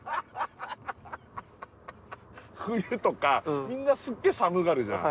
冬とかみんなすげえ寒がるじゃん？